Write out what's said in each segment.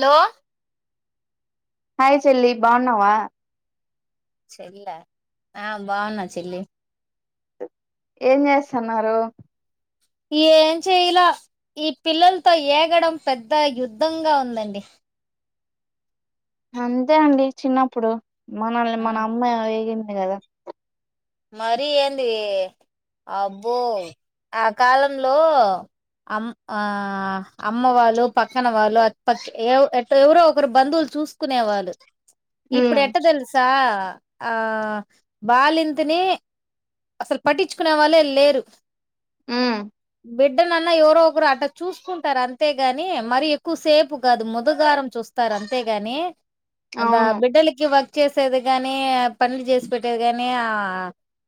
Hello hi చెల్లి బాఉన్నావా చెల్ ఆ బాగున్నా చెల్లి ఏం చేస్తున్నారు ఏం చేయలా ఈ పిల్లలతో ఏగడం పెద్ద యుద్ధంగా ఉందండి అంతే అండి చిన్నప్పుడు మనల్ని మన అమ్మాయి వేగింది అదే కదా మరీ ఏంది అబ్బో ఆ కాలంలో అమ్ ఆ అమ్మ వాళ్ళు పక్కన వాళ్ళు అటు పక్ ఎవరో ఒకరు బంధువులు చూసుకునే వాళ్ళు ఇప్పుడు ఉమ్ ఎట్ట తెలుసా ఆ ఆ బాలిం ఇతనే అసలు పట్టించుకునే వాళ్ళే లేరు హ్మ్ బిడ్డనన్నా ఎవరో ఒకరు అట్ట చూసుకుంటారు అంతేగాని మరీ ఎక్కువ సేపు కాదు ముదగారం చూస్తారు అంతేగాని అందా అవును బిడ్డలికి ఇవ చేసేది గాని ఆ పనులు చేసి పెట్టేది గాని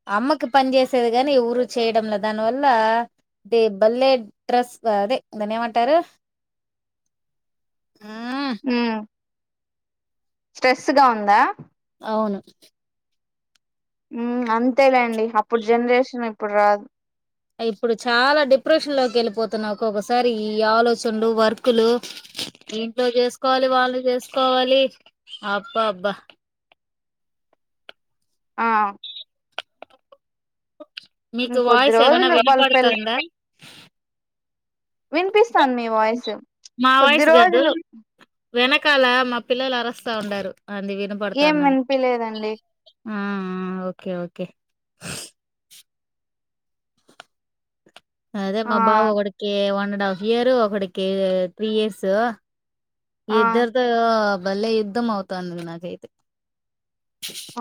ఆ అమ్మకి పని చేసేది గాని ఎవరూ చేయడంలా దానివల్ల ద బల్లేె డ్రస్ అదే దాన్ని ఏమంటారు మ్మ్ హ్మ్ స్ట్రెస్ గా ఉందా అవును హ్మ్ అంతేలేండి అప్పుడు జనరేషన్ ఇప్పుడు రాదు ఇప్పుడు చాలా డిప్రెషన్ లోకి వెళ్ళిపోతున్నా ఒకొక్కసారి ఈ ఆలోచనలు వర్క్లు ఇంట్లో చేసుకోవాలి వాళ్ళు చేసుకోవాలి అబ్బ అబ్బా ఆ మీకు ఇంకొద్ది వాయిస్ ఏమన్నా రోజులు వాళ్ళ వినపడుతోందా వినిపిస్ స్తాంది మీ వాయిస్ మా కొద్ది వాయిస్ గాదు రోజులు వెనకాల మా పిల్లలు అరస్తా ఉండారు అంది ఏం వినపడతాన్నయ్ వినిపిలేదండి ఆ ఓకే ఓకే అదే ఆ మా బాబు ఒకడికే వండ హాఫ్ ఇయర్ ఒకడికి త్రీ ఇయర్స్ ఆ ఇద్దరి తో భలే యుద్ధం అవుతాంది నాకైతే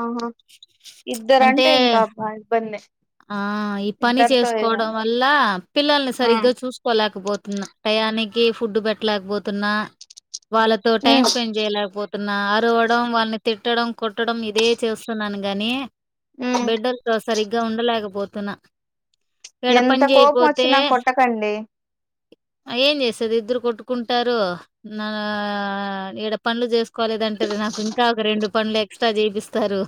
ఆహా ఇద్దరు అంటే ఇంకా అబ్బా ఇబ్బందే ఆ ఈ పని చేసుకోవడం వల్ల పిల్లల్ని ఆ సరిగ్గా చూసుకోలేకపోతున్నా టయానికి కి ఫుడ్డు పెట్టలేకపోతున్నా వాళ్ళతో టైమ్ ఉమ్ స్పెండ్ చేయలేకపోతే న్నా అరవడం వాళ్ని తిట్టడం కొట్టడం ఇదే చేస్తున్నాను గాని ఉమ్ బిడ్డల తో సరిగ్గా ఉ లేకపోతున్నా ఎంత కోపం వచ్చినా కొట్టకండి ఏం చేసేది ఇద్దరు కొట్టుకుంటారు నా ఈడ పనులు చేసుకోలేదంటే నాకు ఇంకా ఒక రెండు పనులు ఎక్స్ట్రా చేయ్పిస్తారు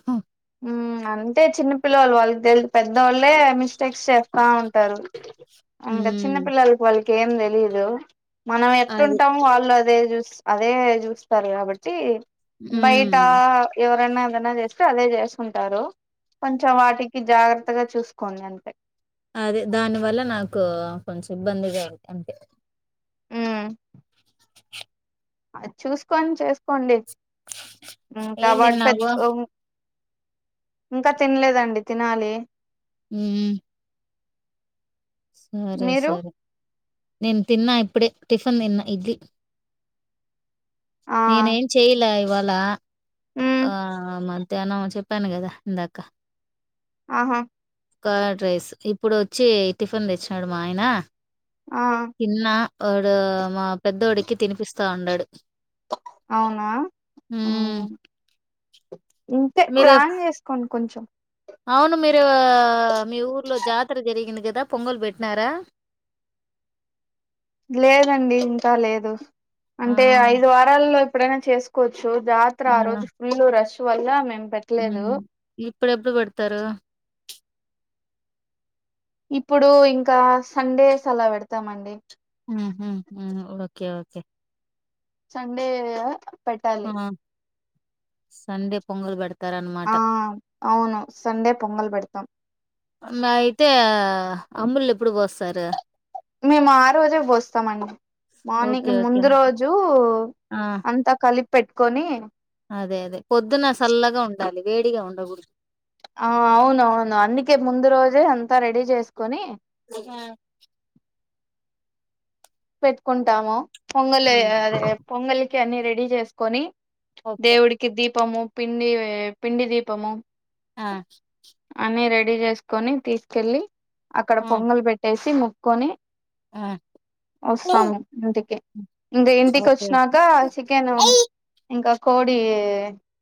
మ్ అంటే చిన్న పిళ్ళోళ్లు వాళ్ళు తెల్దు పెద్దవాళ్ళే మిస్టేక్స్ చేస్తా ఉంటారు అంగ చిన్న హ్మ్. పిల్లోల్లు వాళ్ళకి కేం తెలీదు మనం అది. ఎట్టుంటామో వాళ్ళు అదే చూస్తా అదే చూస్తారు కాబట్టి బయటా హ్మ్. ఎవరన్నా ఎదనా చేస్ అదే జేస్ తుంటారు కొంచెం వాటికి జాగ్రత్తగా చూసుకోండి అంతే అదే దాని వల్ల నాకు కొంచెం ఇబ్బందిగా ఔద్ది అంతే మ్ అది చూసుకోని చేసుకోండి కా ఏం వాటి తిన్నావు? పెద్ద ఉం ఇంకా తినలేదండి తినాలి మ్మ్ సరే మీరు సరే నేను తిన్నా ఇప్పుడే టిఫన్ తిన్న ఇడ్లి ఆ నేన ఏం చెయ్యలా ఇవా లా మ్మ్ ఆ మధ్యాహ్నం చెప్పాను కదా ఇందాక ఆహా కర్డ్ రైస్ ఇప్పుడొచ్చి టిఫన్ తెచ్చినాడు మా ఆయన ఆ తిన్న వాడు మా పెద్దోడికి తినిపిస్ స్తా ఉండాడు అవునా హ్మ్. ఇంతే మీరే ప్లాన్ చేసుకోండి కొంచెం అవును మీరు మీ ఊర్లో జాతర జరిగింది కదా పొంగలు పెట్టినారా లేదండి ఇంకా లేదు ఆ! అంటే ఐదు వారాల్లో ప్పుడైనా చేసుకో చ్చు జాత్ర ఆ రోజు ఫుల్ ర టువల్ల మేమ్ ఇప్పుడెప్పుడు పెడతారు ఇప్పుడు ఇంకా సండేస్ అలా పెడతామండి ఊహూ ఓకే ఓకే సండే ఆ! పెట్టాలి సండే పొంగల్ పెడత ఆ అవును సండే పొంగల్ పెడతం అయితే అంబల్లు ఎప్పుడు పోస్తారు మేము ఆ రోజే పోస్తామండి ఓకే. Morning okay. ముందు రోజు ఆ! అంతా కలిపి పెట్టుకొని అదే అదే పొద్దున సల్లగా ఉండాలి వేడిగా ఉండకూడదు ఆ అవునవును అందుకే ముందు రోజే అంతా రెడీ చేసుకొని [unintelligible] పెట్టుకుంటాము పొంగలి హ్మ్. అదే పొంగలి కే అన్ని రెడీ చేసుకొని ఓకే. దేవుడికి దీపము పిండి పిండి దీపము ఆ అనే రెడ్ రెడీ చేసుకొని తీసుకెళ్ళి అక్కడ పొంగలి పెట్టేసి ము కొని హ్మ్ వస్తాము ఇంటికి ఇంక ఇంటికి వచ్చినాక ఓకే. చికెన్ ఇంకా కోడి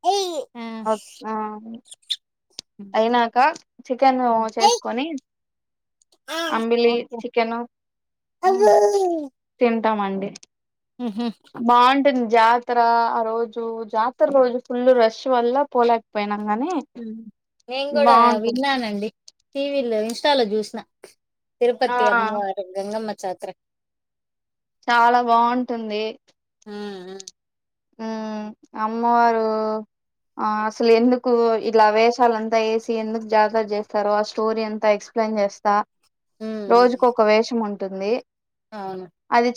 హ్మ్ ఆ అయినాక చికెన్ చేసుకొని ఆ, అంబిలి ఓకే చికెన్ తిన్ తింటామండి ఊహూ బాగుంటుంది జాతర ఆ రోజు జాతర రోజు ఫుల్ రష్ వల్ల పోలేకపోయిన అని నేను కూడా విన్నానండి టీవీలో ఇన్స్టాలో జూసిన ఆ తిరుపతి అమ్మవారు గంగమ్మ జాతర చాలా బావుంటుంది మ్ మ్ మ్ అమ్మవారు ఆ అసలు ఎందుకు ఇలా వేషాలంతా ఏసి ఎందుకు జాతర చేస్తారు ఆ స్టోరీ ఎంత ఎక్స్ప్లెయిన్ చేస్తా ఉమ్, ఉమ్, రోజుకు ఒక వేషముం టుంది అవును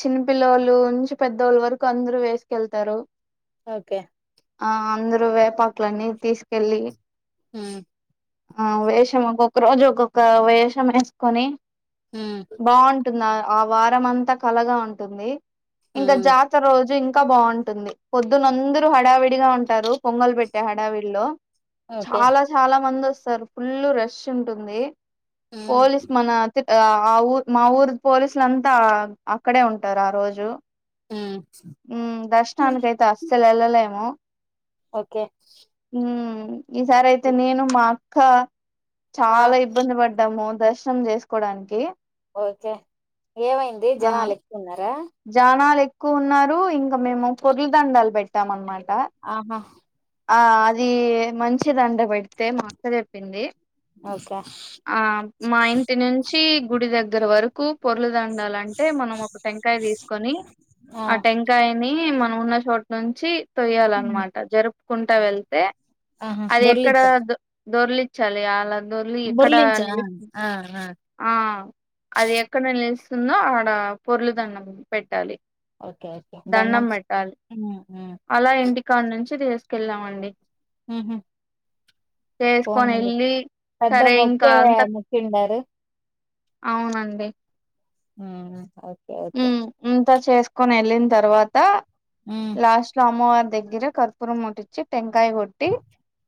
చిన్న పిల్లవాళ్లు నుంచి పెద్దోళ్ళ వరకు అందరూ వేసుకెళ్తారు ఓకే ఆ అందరూ వేపాకులన్నీ తీస్కెళ్ళి మ్ ఆ వేషం ఒక్కొక్క రోజు, ఒక్కొక్క వేషం ఏసుకొని ఉమ్, బావుంటుందా ఆ వారం అంతా కళగా ఉంటుంది. ఇంకా ఉమ్, జాతర రోజు ఇం కా బావుంటుంది. పొద్దునంతదరూ హడావిడిగా ఉంటారు, పొంగల్ పెట్టే హడావిడిలో ఓకే చాలా చాలా మందొస్ సలు ఫుల్ రష్ ఉంటుంది. ఉమ్, పోలీస్ మన తి ఆ ఆ ఊ మా ఊరు పోలీసులంతా అక్కడే ఉంటారు. ఆ రోజు ఉమ్, మ్ దర్శనానికయి అస్సలెళ్ళలేము ఓకే ఈసారి అయితే నేను మా క్క ఆ, చాలా ఇబ్బంది పడ్ డాము దర్శనం చేసుకోవడానికి ఓకే ఏమైంది, జనాలెక్కువున్నారా. జానాలు ఎక్కువ ఉన్నారు. ఇంకా మేము పొర్లు దాండాలు పెట్టాం అన్నమా ఆహా ఆ అది మంచిదంట పెడితే, మా అక్క చెప్పింది. ఓకే ఆ మా ఇంటి నుంచి గుడి దగ్గర వరకు పొర్లు దాండాలంటే, మనం ఒక టెంకాయ తీసుకొని ఆ టెంకాయని మ ఉన్న చోట్ నుంచి తొయ్యాలన్నమాట జరు కుంటా వెళ్తే ఊహూ ఎక్కడ దొర్లిలిచా దొ దొర్లిచ్చాలి అలా దొర్లి ఎక్కడ దొర్లించి నిలుస్తు ఆ ఆ ఆ అది ఎక్కడ నిలుస్ వస్తుందో ఆడ పొర్లు దండం పెట్టాలి. ఓకే ఓకే దండం పెట్టాలి హ్మ్. హ్మ్. అలా ఇంటికానుంచి చే తీసుకెళ్ళామండి ఉహు చేసుకొని పోనండి వెళ్ళి పెద్ద సరే ఇంకా మొక్కే అంత మొక్కి ఉండారు. అవునండి హ్మ్మ్ ఓకే అంతా చేసుకోని వెళ్ళిన తర్వాత హ్మ్. లాస్ట్లో అమ్మవారు దగ్గర కర్పూరం ముట్టించి టెం కాయ కొట్టి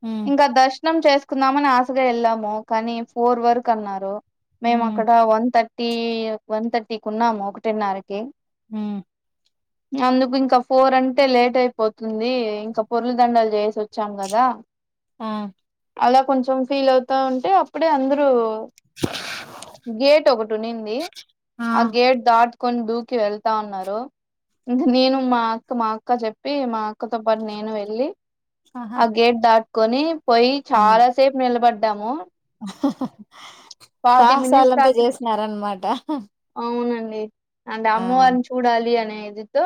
హ్మ్. ఇంకా దస్ కట్నం చేసుకుందామని ఆశగా వెళ్ళాము కానీ ఫోర్ వరకు అన్నారు మేము హ్మ్. అక్కడ వన్ థర్టీ వన్ థ టీ కున్నామో తిర్ణాలకి హ్మ్ అందుకు ఇంకా ఫోర్ అంటే లేట్ అయిపోతుంది ఇంకా పొర్లి దండాలు చేసి వచ్చాం కదా ఆ అలా కొంచెం ఫీల్ అవుతా ఉంటే అప్పుడే అందరూ గేట్ ఒకటి ఉనింది ఆ గేట్ దాటి కొన్ని దూకి వెళ్తా ఉన్నారు ఇంక నేను మా అక్క మా అక్క చెప్పి మా అక్కతో పాటు నేను వెళ్ళి ఆహా! ఆ గేట్ దాటుకొని పోయి చాలాసేపు నిలబడ్ ద్దాము హా హా మినిట్స్ సాహసాలంతా దాకా చేసినారన్నమాట అవునండి అంటే అమ్మవారిని చూడాలి అనే ఏదితో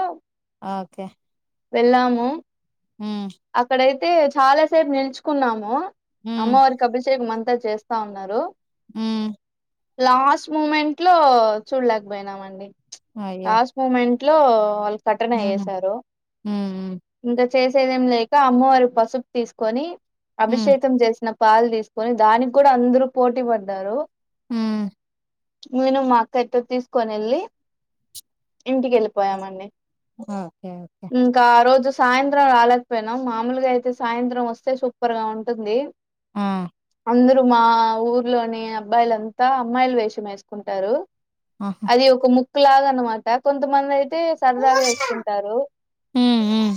ఓకే వెళ్ళాము మ్మ్ టే చాలా సేపు నిల్చుకున్నాము హ్మ్. అమ్మవారికి అభిషేకం అం త చేస్తా అన్నారు మ్మ్ లాస్ట్ మూమెంట్ లో చూడలేకపోయినామండి అయ్యో! లాస్ట్ మూమెంట్ టైంలో వా కర్టన హ్మ్. ఏసారు హ్మ్. ఇంక చేసేదేం లేక అమ్మవారి పసుపు తీసుకొని హ్మ్. అభిషేకం చేసిన పాలు తీసుకొని దానిక్కూడా అందరూ పోటీ పడ్డారు మ్ నేను మా తేట్టు తీసుకొనెళ్ళి ఇంటికెళ్ళిపోయానండి ఓకే. ఓకే. ఇంకా ఆ రోజు సాయంత్రం రాలేకపోయినాం మామూలుగా అయితే సాయంత్రం వస్తే సూపర్గా ఉంటుంది ఆ అందరూ మా ఊర్లోని అబ్బాయిలంతా అమ్మాయిల వేషం వేసుకుంటారు ఆహా! అది ఒక ముఖ్ కొంచెం లాగనమాట కొంతమందయ్ తే సరదాగేసుకుంటారు హ్మ్. హ్మ్.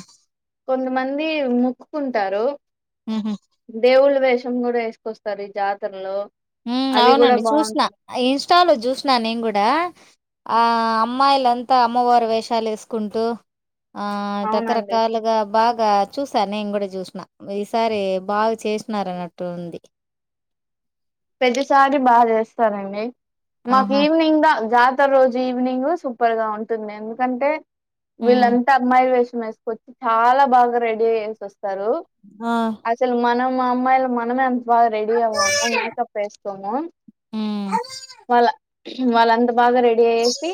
కొంతమంది మొక్కుకుంటారు హుహు. దేవుళ్లు వేషం కూడా వేసుకొస్తారు ఈ జాతర లో మ్ అవునండి చూసిన ఇన్స్టాలో చూసిన నే కూడా ఆ అమ్మాయిలంతా అమ్మవారు వేషాలేసుకుంటూ ఆ అవునండి రకరకాలుగా బా ఇకా చూసాను నేను కూడా చూసిన ఈసారి బాగా చేసినార అన్నట్టుంది ప్రతిసారి బా చేస్తారండి మాకు ఆహా! ఈవనింగ్ దా జా ఇంత రోజు ఈవినింగ్ సూపర్ గా ఉంటుంది ఎందుకంటే హ్మ్. వీళ్లంతా అమ్మాయి వేష వేసుకచ్చి చాలా బాగా రెడీ అయ్యేసొస్ స్తారు ఆ! అసలు మనం మా అమ్మాయిలం మనమే అం రెడి ఆవము మ పసుకో హ్మ్. వాళ్ళ వాళ్ళ అంద బాగా రెడీ అయేసి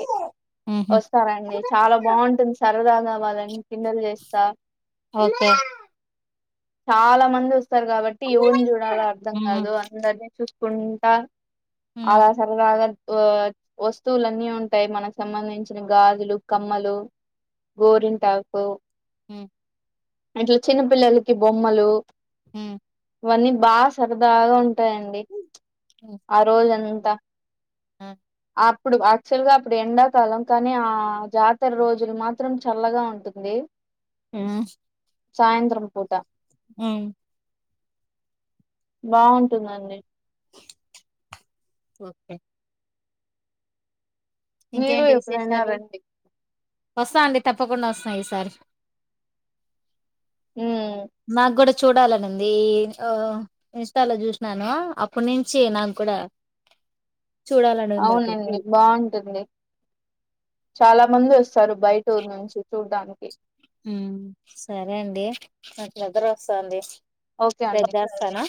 హుహు. వస్తారండి చాలా బావుంటుంది సార్ ఇ దావ్వదండి కిన్నెలు చేస్త ఓకే. చాలా మంది వస్త వస్తారు కాబట్టి యవుర్ని చూడలో అర్థం హ్మ్. కాదు అందరి ఉంట హ్మ్. అలా సరదగ ఆ వస్తువులున్నీ ఉంటాయి మనకు సంబంధించిన గాజులు కమ్మలు గోరింటాకు హ్మ్ ఇట్ల చిన్నపిల్లలకి బొమ్మలు మ్మ్ అవన్నీ బాగా సరదాగ ఉంటాయి అండి ఆ రోజం త్త మ్మ్ అప్పుడు యాక్చువల్ గా అప్పుడు ఎండాకాలం కానీ ఆ జాతర రోజులు మాత్రం చల్లగ ఉంటుంది మ్మ్ సాయంత్రం పూట మ్మ్ బావుంటుందండి ఒకే మీరు ఇంకేంటి ఎప్పుడైనా విశేషాలు? రండి వస్తా అండి తప్పకుండా వస్త ఈసారి ఉమ్ మాగుడ చూడాలనివుంది ఇన్స్టాలో చూసినాను అప్పటి నుంచి నాకు గుడ అవునండి బాగుంటుంది చాలా ముందు చారు బయటూరు నుంచి చూడ్డానికి మ్మ్ సరే అండి నాక్ నిద్ర వస్తుంది వస్తాండి ఓకే అండి రేప్ జేస్తను